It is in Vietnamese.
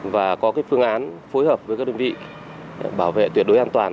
và có phương án phối hợp với các đơn vị bảo vệ tuyệt đối an toàn